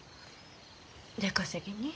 出稼ぎに？